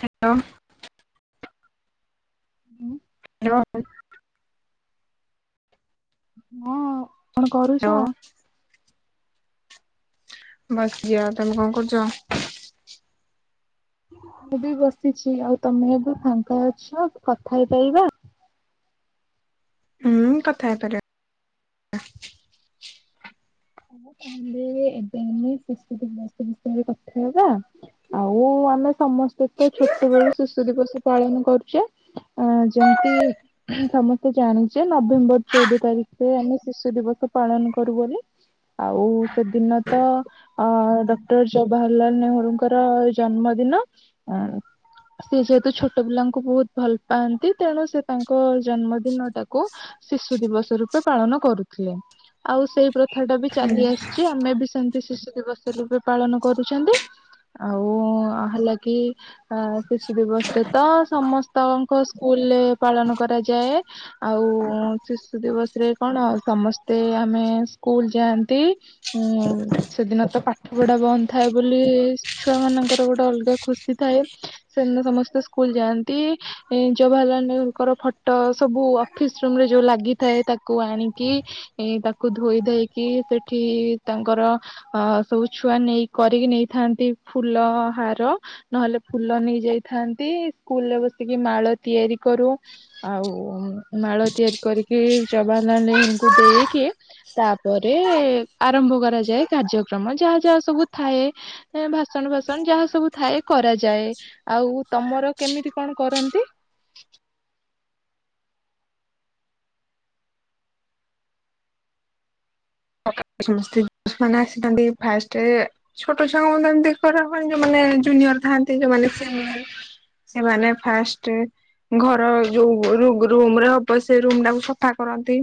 Hello. ହୁଁ। [unintelligible] ହଁ। କଣ କରୁଚ? ହ୍ୟାଲୋ ବସିଚି ଯାଅ ତମେ କଣ କରୁଚ? ମୁଁ ବି ବସିଛି ଆଉ ତମେ ଏବେ ଫାଙ୍କା ଅଛ କଥା ହେଇପାରିବା? ହୁଁ କଥା ହେଇପାରିବା। ହ ତାହଲେ ଏବେ ଆମେ ଶିଶୁ ଦିବସ ବିଷୟରେ କଥା ହେବା ଆଉ ଆମେ ସମସ୍ତେ ତ ଛୋଟ ବେଳୁ ଶିଶୁ ଦିବସ ପାଳନ କରୁଛେ ଯେମିତି ସମସ୍ତେ ଜାଣିଛେ। ନଭେମ୍ବର ଚଉଦ ତାରିଖରେ ଆମେ ଶିଶୁ ଦିବସ ପାଳନ କରୁ ବୋଲି। ଆଉ ସେଦିନ ତ ଅ ଡକ୍ଟର ଜବାହରଲାଲ ନେହେରୁଙ୍କର ଜନ୍ମଦିନ। ସିଏ ଯେହେତୁ ଛୋଟ ପିଲାଙ୍କୁ ବହୁତ ଭଲ ପାଆନ୍ତି ତେଣୁ ସେ ତାଙ୍କ ଜନ୍ମଦିନ ଟାକୁ ଶିଶୁ ଦିବସ ରୂପେ ପାଳନ କରୁଥିଲେ। ଆଉ ସେଇ କଥା ଟା ବି ହୁଁ ଚାଲି ଆସିଛି ଆମେ ବି ସେମ୍ ସେ ଶିଶୁ ଦିବସ ରୂପେ ପାଳନ କରୁଛନ୍ତି। ଆଉ ହେଲାକି ଅ ଶିଶୁ ଦିବସ ରେ ତ ସମସ୍ତଙ୍କ ସ୍କୁଲରେ ପାଳନ କରାଯାଏ। ଆଉ ଶିଶୁ ଦିବସ ରେ କଣ ସମସ୍ତେ ଆମେ ସ୍କୁଲ ଯାଆନ୍ତି ଉ ସେଦିନ ତ ପାଠ ପଢା ବନ୍ଦ ଥାଏ ବୋଲି ଛୁଆ ମାନଙ୍କର ଗୋଟେ ଅଲଗା ଖୁସି ଥାଏ। ସେଦିନ ସମସ୍ତେ ସ୍କୁଲ ଯାଆନ୍ତି। ଜବାହରଲାଲ ନେହେରୁଙ୍କର ଫଟୋ ସବୁ ଅଫିସ ରୁମ ରେ ଯୋଉ ଲାଗିଥାଏ ତାକୁ ଆଣିକି ତାକୁ ଧୋଇ ଧାଇକି ସେଠି ତାଙ୍କର ଅ ସବୁ ଛୁଆ ନେଇ କରିକି ନେଇଥାନ୍ତି। ଫୁଲ ହାର ନହେଲେ ଫୁଲ ନେଇ ଯାଇଥାନ୍ତି। ସ୍କୁଲରେ ବସିକି ମାଳ ତିଆରି କରୁ। ଆଉ ମାଳ ତିଆରି କରିକି ଜବାହାରଲାଲ ନେହେରୁଙ୍କୁ ଦେଇକି ତାପରେ ଆରମ୍ଭ କରାଯାଏ କାର୍ଯ୍ୟକ୍ରମ। ଯାହା ଯାହା ସବୁ ଥାଏ ଭାଷଣ ଫାସଣ ଯାହା ସବୁ ଥାଏ କରାଯାଏ। ଆଉ ତମର କେମିତି କଣ କରନ୍ତି? [inaudible] ସମସ୍ତେ ସେମାନେ ଆସିଥାନ୍ତି। ଫାଷ୍ଟରେ ଛୋଟ ଛୁଆମାନଙ୍କୁ ଏମିତି କରିବା ପାଇଁ ଯୋଉମାନେ ଜୁନିଅର ଥାଆନ୍ତି ଯୋଉ ମାନେ ସିନିଅର ସେମାନେ ଫାଷ୍ଟ ଘର ଯୋଉ ରୁଗ୍ ରୁମରେ ହବ ସେ ରୁମ୍ ଟାକୁ ସଫା କରନ୍ତି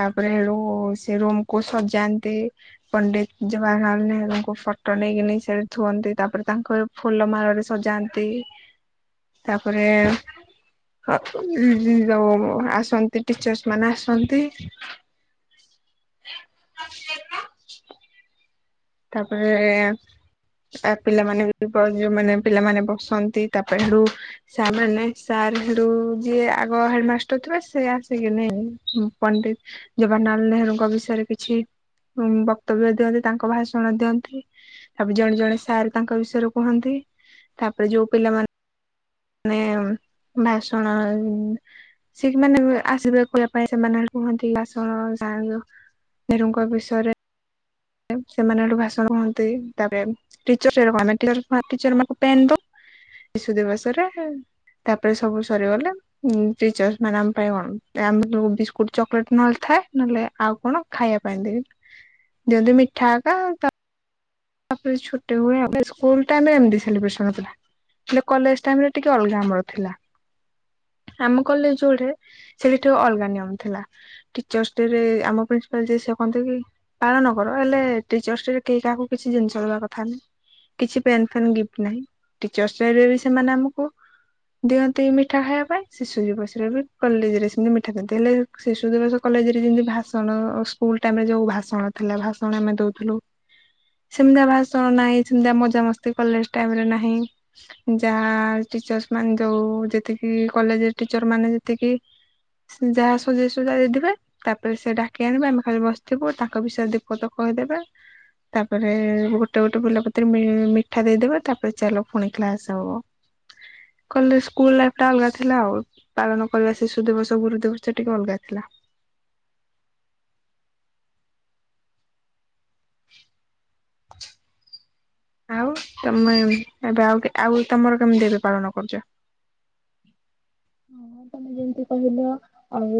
ତାପରେ ରୁ ଓ ସେ ରୁମକୁ ସଜାନ୍ତି ପଣ୍ଡିତ ଜବାହରଲାଲ ନେହେରୁଙ୍କୁ ଫଟୋ ନେଇକିନି ସେଠି ଥୁଅନ୍ତି। ତାପରେ ତାଙ୍କୁ ଫୁଲ ମାଳରେ ସଜାନ୍ତି। ତାପରେ ଯୋଉ ଆସନ୍ତି ଟିଚର୍ସ ମାନେ ଆସନ୍ତି। [unintelligible] ତାପରେ ତା ପିଲାମାନେ ଯୋଉମାନେ ପିଲାମାନେ ବସନ୍ତି। ତା ପାଇଁ ରୁ ସାର୍ ମାନେ ସାର୍ ହେଟୁ ଯିଏ ଆଗ ହେଡମାଷ୍ଟର ଥିବେ ସେ ଆସିକିନି ପଣ୍ଡିତ ଜବାହରଲାଲ ନେହେରୁଙ୍କ ବିଷୟରେ କିଛି ବକ୍ତବ୍ୟ ଦିଅନ୍ତି। ତାଙ୍କ ଭାଷ ଣ ଦିଅନ୍ତି ତାପରେ ଜଣେ ଜଣେ ସାର୍ ତାଙ୍କ ବିଷୟରେ କୁହନ୍ତି। ତାପରେ ଯୋଉ ପିଲାମାନେ ମାନେ ଭାଷଣ ଉଁ ସେମାନେ ଆସିବେ କହିବା ପାଇଁ ସେମାନେ କୁହନ୍ତି। ଭାଷଣ ଯା ନେହୁ ନେହେରୁଙ୍କ ବିଷୟରେ ସେମାନେ ଏଠୁ ଭାଷଣ ହୁଅନ୍ତି ତାପରେ [unintelligible] ଶିଶୁ ଦିବସରେ ତାପରେ ସବୁ ସରିଗଲେ ଉଁ ଟିଚର୍ସମାନେ ଆମ ପାଇଁ କଣ ଆମ ବିସ୍କୁଟ ଚକଲେଟ୍ ନହଲେ ଥାଏ ନହଲେ ଆଉ କଣ ଖାଇବା ପାଇଁ ଦେବେ। ଦିଅନ୍ତି ମିଠା ଏକା ଆଉ ତା ତାରେଛ ହୁଏ ସ୍ମେସଥିଲା ହେଲେ କଲେ ଟାଇରେ ଟିକେ ଅଲଗ ଆମର ଥିଲା ଆମ କଲେ ଯୋଉ ସେଠିିକ ଅଲଗା ନିୟମ ଥିଲା ଟିର୍ ଡରେ ଆମିପାଲ ଯିଏ କହନ୍ତି। କି ପାଳନ କର ହେଲେର୍ ଡରେହି କାହାକୁ? କିଛି ଜିନିଷ ରବା କଥା ନାହିଁ କିଛି ପେନ୍ ଫେନ୍ ଗିଫ୍ଟ ନାହିଁ। ଟିଚର୍ସ ରେ ବି ସେମାନେ ଆମକୁ ଦିଅନ୍ତି। ମିଠା ଖାଇବା ପାଇଁ ଶିଶୁ ଦିବସରେ ବି କଲେଜରେ ସେମାନେ ମିଠା ଦିଅନ୍ତି ହେଲେ ଶିଶୁ ଦିବସ କଲେଜରେ ଯେତି ଭାଷଣ ସ୍କୁଲ ଟାଇମରେ ଯୋଉ ଭାଷଣ ଥିଲା ଭାଷଣ ଆମେ ଦଉଥିଲୁ? ସେମିତିଆ ଭାଷଣ ନାହିଁ। ସେମିତିଆ ମଜାମସ୍ତି କଲେଜ ଟାଇମ ରେ ନାହିଁ ଯାହା ଟିଚର୍ସ ମାନେ ଯୋଉ ଯେତିକି କଲେଜ ଟିଚର ମାନେ ଯେତିକି ଯାହା ସଜେଷ୍ଟା ଦେଇଥିବେ ତାପରେ ସେ ଡାକି ଆଣିବେ ଆମେ ଖାଲି ବସିଥିବୁ ତାଙ୍କ ବିଷୟରେ ଦୀପଦ କହିଦେବେ ତାପ ତାପରେ ଗୋଟେ ଗୋଟେ ବୁିଲପତି ମିଠା ଦେଇଦବ ତାପରେ ଚାଲ ପୁଣି କ୍ଲାସ ହବ। କହିଲ ସ୍କୁଲ ଲାଇଫ ଟା ଅଲଗା ଥିଲା ଆଉ ପାଳନ କରିବା ଶିଶୁ ଦିବସ ଗୁରୁ ଦିବସ ଟିକେ ଅଲଗା ଥିଲା? [inaudible] ଆଉ ତମେ ଏବେ ଆଉ ଆଉ ତମର କେମିତି ଏବେ ପାଳନ କରୁଛ? ହଁ ତମେ ଯେମତି କହିଲ ଆଉ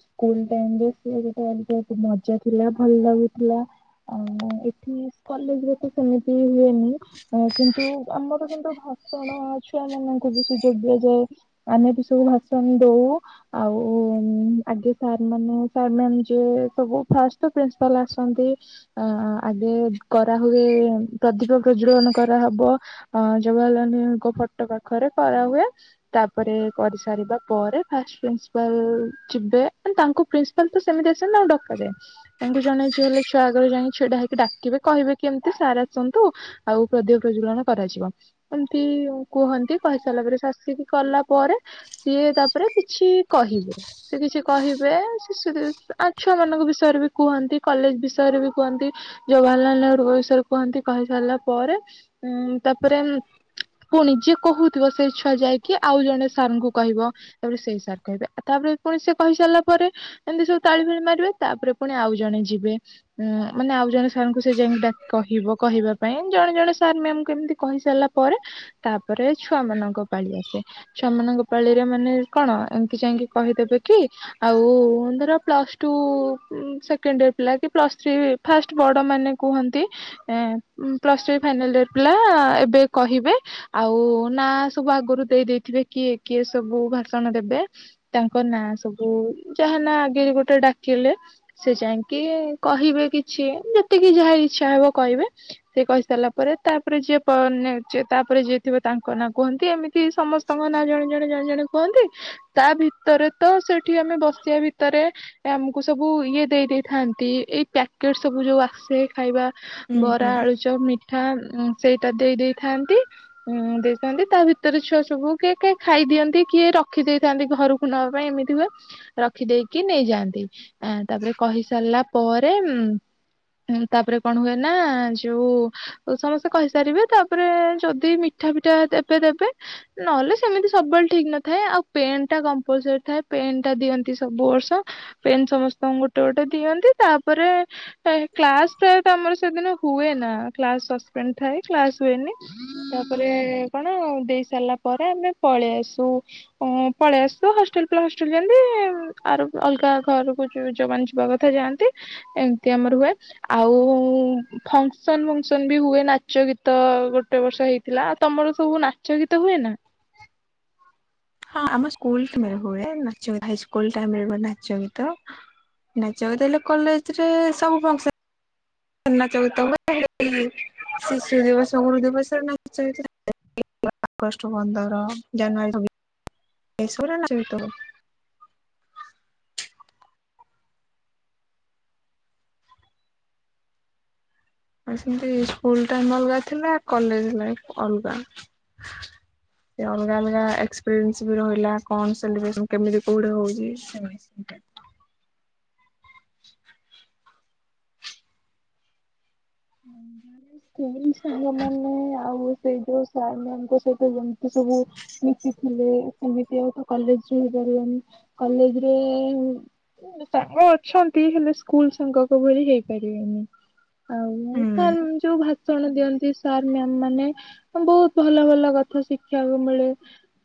ସ୍କୁଲ ଟାଇମ ରେ ସେ ଗୋଟେ ଅଲଗା ମଜା ଥିଲା ଭଲ ଲାଗୁଥିଲା। ଆଉ ଏଠି କଲେଜରେ ତ ସେମିତି ହୁଏନି କିନ୍ତୁ ଆମର କିନ୍ତୁ ଭାଷଣ ଛୁଆ ମାନଙ୍କୁ ବି ସୁଯୋଗ ଦିଆଯାଏ। ଆମେ ବି ସବୁ ଭାଷଣ ଦଉ ଆଉ ଆଗେ ସାର୍ ମାନେ ସ ମେ ଯିଏ ସବୁ ଫଷ୍ଟ ପ୍ରିନ୍ସିପାଲ ଆସନ୍ତି। ଆଗେ କରାହୁଏ ପ୍ରଦୀପ ପ୍ରଜଳନ କରାହବ ଜବାହରଲାଲ ନେହେରୁଙ୍କ ଫଟୋ ପାଖରେ କରାହୁଏ? ତାପରେ କରିସାରିବା ପରେ ଫାଷ୍ଟ ପ୍ରିନ୍ସିପାଲ ଯିବେ ତାଙ୍କୁ ପ୍ରିନ୍ସିପାଲ ତ ସେମିତି ଆସ ଆଉ ଡକାଯାଏ ତାଙ୍କୁ ଜଣେ ଯେ ହେଲେ ଛୁଆ ଆଗରେ ଯାଇକି ଛିଆଟା ହେଇକି ଡାକିବେ କହିବେ କିମତି ସାର୍ ଆସନ୍ତୁ ଆଉ ପ୍ରଦ ପ୍ରଜ୍ବଳନ କରାଯିବ। ଏମିତି କୁହନ୍ତି କହିସାରିଲା ପରେ ଆସି କଲା ପରେ ସିଏ ତାପରେ କିଛି କହିବେ। ସେ କିଛି କହିବେ ଆ ଛୁଆ ମାନଙ୍କ ବିଷୟରେ ବି କୁହନ୍ତି। କଲେଜ ବିଷୟରେ ବି କୁହନ୍ତି। ଜବାହରଲାଲ ନେହେରୁଙ୍କ ବିଷୟରେ କୁହନ୍ତି। କହି ସାରିଲା ପରେ ଉଁ ତାପରେ ପୁଣି ଯିଏ କହୁଥିବ ସେ ଛୁଆ ଯାଇ କି ଆଉ ଜଣେ ସାର୍ ଙ୍କୁ କହିବ ତାପରେ ସେଇ ସାର୍ କହିବେଉ ତାପରେ ପୁଣି ସେ କହିସାରିଲା ପରେ ଏମିତି ସବୁ ତାଳି ଫେଳି ମାରିବେ ତାପରେ ପୁଣି ଆଉ ଜଣେ ଯିବେ ଉଁ ମାନେ ଆଉ ଜଣେ ସାର୍ଙ୍କୁ ସେ ଯାଇକି ଡାକି କହିବ କହିବା ପାଇଁ ଜଣେ ଜଣେ ସାର୍ ମ୍ୟାମ ଆମକୁ ଏମିତି କହିସାରିଲା ପରେ ତାପରେ ଛୁଆ ମାନଙ୍କ ପାଳିଆସେ। ଛୁଆ ମାନଙ୍କ ପାଳିରେ ମାନେ କଣ ଏମିତି ଯାଇକି କହିଦେବେ କି ଆଉ ଧର ପ୍ଲସ୍ ଟୁ ସେକେଣ୍ଡ ୟିଅର ପିଲା କି ପ୍ଲସ ଥ୍ରୀ ଫାଷ୍ଟ ବଡ ମାନେ କୁହନ୍ତି। ପ୍ଲସଥ୍ରୀ ଫାଇନାଲ ଡ ପିଲା ଏବେ କହିବେ ଆଉ ନା ସବୁ ଆଗରୁ ଦେଇ ଦେଇଥିବେ କିଏ କିଏ ସବୁ ଭାଷଣ ଦେବେ ତାଙ୍କ ନାଁ ସବୁ ଯାହା ନା ଆଗରେ ଗୋଟେ ଡାକିଲେ ସେ ଯାଇକି କହିବେ କିଛି ଯେତିକି ଯାହା ଇଚଛା ହବ କହିବେ ସେ କହିସାରିଲା ପରେ ତାପରେ ଯିଏ ତାପରେ ଯିଏଥିବ ତାଙ୍କ ନାଁ କୁହନ୍ତି। ଏମିତି ସେ ସମସ୍ତଙ୍କ ନାଁ ଜଣେ ଜଣେ ଜଣେ ଜଣେ କୁହନ୍ତି ତା ଭିତରେ ତ ସେଠି ଆମେ ବସିବା ଭିତରେ ଆମକୁ ସବୁ ଇଏ ଦେଇ ଦେଇେଇଥାନ୍ତି। ଏଇ ପ୍ୟାକେଟ ସବୁ ଯୋଉ ଆସେ ଖାଇବା। ହୁଁ ବରା ହୁଁ ଆଳୁଚପ୍ ମିଠା ଆଁ ସେଇଟା ଦେଇ ଦେଇେଇଥାନ୍ତି। ଉଁ ଦେଇଥାନ୍ତି ତା ଭିତରେ ଭରେ ଛୁଆ ସବୁ କିଏ କି ଖାଇଦିଅନ୍ତି। କିଏ ରଖିଦେଇଥାନ୍ତି ଘରକୁ ନବା ପାଇଁ ଏମିତି ହୁଏ ରଖିଦେଇକି ନେଇଯାଆନ୍ତି ଆ ତାପରେ କହିସାରିଲା ପରେ ତାପରେ କଣ ହୁଏ ନା ଯୋଉ ସମସ୍ତେ କହିସାରିବେ ତାପରେ ଯଦି ମିଠା ଫିଠା ଦେବେ ଦେବେ ନହେଲେ ସେମିତି ସବୁବେଳେ ଠିକ ନଥାଏ ଆଉ ପେନ୍ ଟା କଲ ଥାଏ ପେନ୍ ଟା ଦିଅନ୍ତି। ସବୁ ବର୍ଷ ପେନ୍ ସମସ୍ତଙ୍କୁ ଗୋଟେ ଗୋଟେ ଦିଅନ୍ତି ତାପରେ କ୍ଲାସ ପ୍ରାୟତ ଆମର ସେଦିନ ହୁଏ ନା କ୍ଲାସପେଣ୍ଡ ଥାଏ କ୍ଲାସ ହୁଏନି ତାପରେ କଣ ସାରିଲା ପରେ ଆମେ ପଳେଇ ଆସୁ ପଳେଇ ଆସୁ ହଷ୍ଟେଲ ପ୍ଲସଷ୍ଟ ଯେମତି ଆର ଅଲଗା ଘର ସ ଯୋଉମାନେ ଯିବା କଥା ଯାଆନ୍ତି। ଏମିତି ଆମର ହୁଏ ଆଉ ଫଙ୍କସନ ଫଙ୍କସନ ବି ହୁଏ। ନାଚ ଗୀତ ଗୋଟେ ବର୍ଷ ହେଇଥିଲାଉ ତମର ସବୁ ନାଚ ଗୀତ ହୁଏ ନା ହଁ ଆମ ସ୍କୁଲ ହୁଏ ନାଚ ଗୀତସ୍କୁଲାଇମରେଟ ନାଚ ଗୀତ ନାଚ ଗୀତ ହେଲେ କଲେଜରେ ସବୁ ଫଙ୍କସନ [unintelligible] ଆ ସେମତି ସ୍କୁଲ ଅଲଗା ଥିଲା। କଲେ ଲ ଅଲଗା ସେ ଅଲଗା ଅଲଗା ରହିଲା କୋଉ ହଉ [unintelligible] ସେଇ ସାଙ୍ଗମାନେ ଆଉ ସେ ଯୋଉ ସାର୍ ମ୍ୟାଙ୍କ ସହିତ ଯେମିତି ସବୁ ମିଶିଥିଲେ ସେମିତି ଆଉ ତ କଲେଜରେ ହେଇପାରିଲାନି କଲେଜରେ ସାଙ୍ଗ ଅଛନ୍ତି। ହେଲେ ସ୍କୁଲ ସାଙ୍ଗକ ଭଳି ହେଇପାରିବେନି ଆଉ ହୁଁ କାଲ ଯୋଉ ଭା ଭାଷଣ ଦିଅନ୍ତି ସାର୍ ମ୍ୟାମ ମାନେ ବହୁତ ଭଲ ଭଲ କଥା ଶିଖିବାକୁ ମିଳେ।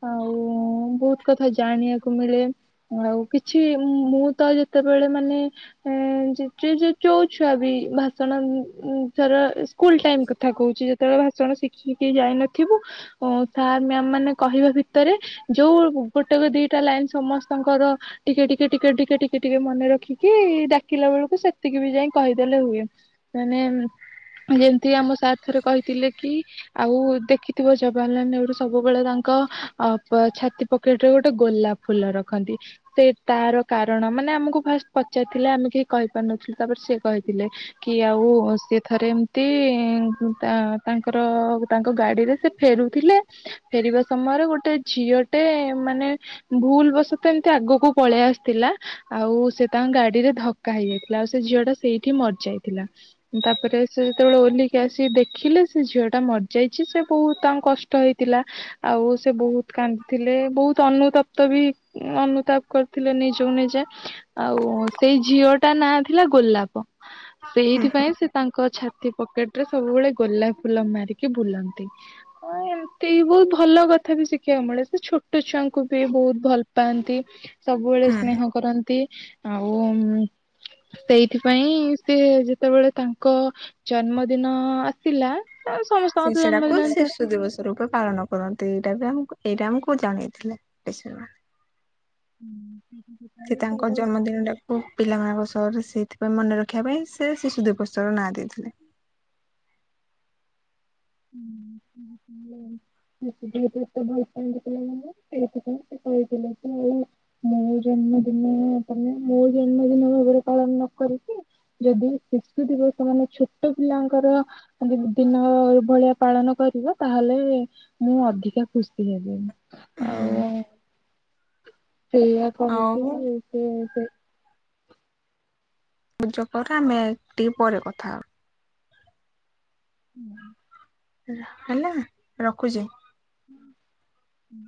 ଆଉ ବହୁତ କଥା ଜାଣିବାକୁ ମିଳେ ଆଉ କିଛି ମୁଁ ତ ଯେତେବେଳେ ମାନେ ଚୋଛୁଆ ବି ଭାଷଣ ର ସ୍କୁଲ ଟାଇ କଥା କହୁଛି ଯେତେବେଳେ ଭାଷଣ ଶିଖି ଶିଖି ଯାଇନଥିବୁ ସାର୍ ମ୍ୟାମ୍ ମାନେ କହିବା ଭିତରେ ଯୋଉ ଗୋଟେ ଦିଟା ଲାଇନ ସମସ୍ତଙ୍କର ଟିକେ ଟିକେ ଟିକେ ଟିକେ ଟିକେ ଟିକେ ମନେ ରଖିକି ଡାକିଲା ବେଳକୁ ସେତିକି ବି ଯାଇ କହିଦେଲେ ହୁଏ। ମାନେ ଯେମିତି ଆମ ସାର୍ ଥରେ କହିଥିଲେ କି ଆଉ ଦେଖିଥିବ ଜବାହରଲାଲ ନେହେରୁ ସବୁବେଳେ ତାଙ୍କ ଛାତି ପକେଟ ରେ ଗୋଟେ ଗୋଲାପ ଫୁଲ ରଖନ୍ତି ସେ ତାର କାରଣ ମାନେ ଆମକୁ ଫାଷ୍ଟ ପଚାରିଥିଲେ ଆମେ କେହି କହିପାରୁନଥିଲୁ ତାପରେ ସେ କହିଥିଲେ? କି ଆଉ ସେ ଥରେ ଏମିତି ତାଙ୍କର ତାଙ୍କ ଗାଡିରେ ସେ ଫେରୁଥିଲେ ଫେରିବା ସମୟରେ ଗୋଟେ ଝିଅଟେ ମାନେ ଭୁଲ ବଶତଃ ଏମିତି ଆଗକୁ ପଳେଇ ଆସିଥିଲା ଆଉ ସେ ତାଙ୍କ ଗାଡିରେ ଧକ୍କା ହେଇଯାଇଥିଲା ଆଉ ସେ ଝିଅ ଟା ସେଇଠି ମରିଯାଇଥିଲା? ତାପରେ ସେ ଯେତେବେଳେ ଓଲିକି ଆସି ଦେଖିଲେ ସେ ଝିଅ ଟା ମରିଯାଇଛି ସେ ବହୁତ ତାଙ୍କୁ କଷ୍ଟ ହେଇଥିଲା ଆଉ ସେ ବହୁତ କାନ୍ଦିଥିଲେ ବହୁତ ଅନୁତାପ୍ତ ବି ଅନୁତାପ କରିଥିଲେ ନିଜକୁ ନିଜେ ଆଉ ସେଇ ଝିଅଟା ନାଁ ଥିଲା ଗୋଲାପ? ସେଇଥିପାଇଁ ସେ ତାଙ୍କ ଛାତି ପକେଟ ରେ ସବୁବେଳେ ଗୋଲାପ ଫୁଲ ମାରିକି ବୁଲନ୍ତି ଏମିତି ବହୁତ ଭଲ କଥା ବି ଶିଖିବାକୁ ମିଳେ ସେ ଛୋଟ ଛୁଆଙ୍କୁ ବି ବହୁତ ଭଲ ପାଆନ୍ତି? ସବୁବେଳେ ହୁଁ ସ୍ନେହ କରନ୍ତି ଆଉ ସେଇଥିପାଇଁ ସେ ଯେତେବେଳେ ତାଙ୍କ ଜନ୍ମଦିନ ଆସିଲା ଆ ସମସ୍ତଙ୍କ ସେ ତ ସେଟାକୁ ଜନ୍ମଦିନ ଏମିତି ଶିଶୁ ଦିବସ ରୂପେ ପାଳନ କରନ୍ତି। ଏଇ ରାମକୁ ଜଣେଇଥିଲେଶ ମାନ ହୁଁ। ସେ ତାଙ୍କ ଜନ୍ମଦିନଟାକୁ ପିଲାମାନଙ୍କ ସହ ସେଇଥିପାଇଁ ମନେ ରଖିବା ପାଇଁ ସେ ଶିଶୁ ଦୁଇ ପୁସ୍ତରର ନାଁ ଦେଇଥିଲେ। ତ ଏତେ ଭଲ ପାଆନ୍ତି ପିଲାମାନେ କହିଥିଲେ ସେଳେ ମୁଁ ଜନ୍ମଦିନ ମାନେ ମୁଁ ଜନ୍ମଦିନ ଭାବରେ ପାଳନ ନ କରିକି ଯଦି ଶିଶୁଥିବ ସେମାନେ ଛୋଟ ପିଲାଙ୍କର ଦିନ ଭଳିଆ ପାଳନ କରିବ ତାହେଲେ ମୁଁ ଅଧିକା ଖୁସି ଲାଗେନି। ହୁଁ ଆଉ ସେଇଆ କହିକି ଆଉ ସେ ସେ ପୂଜ ପରେ ଆମେଟି ପରେ କଥା ହବ। ହୁଁ। ହେଲା ରଖୁଛି। ହୁଁ ହଁ।